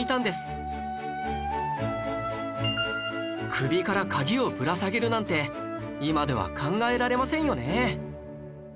首から鍵をぶら下げるなんて今では考えられませんよね